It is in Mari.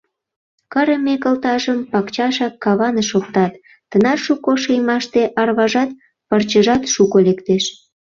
Кырыме кылтажым пакчашак каваныш оптат. тынар шуко шиймаште арважат, пырчыжат шуко лектеш.